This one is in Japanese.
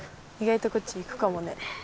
意外とこっち行くかもね。